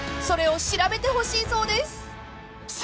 ［それを調べてほしいそうです］